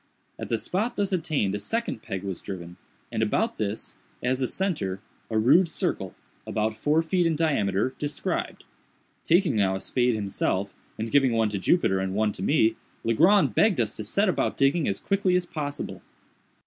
At the spot thus attained a second peg was driven, and about this, as a centre, a rude circle, about four feet in diameter, described. Taking now a spade himself, and giving one to Jupiter and one to me, Legrand begged us to set about digging as quickly as possible.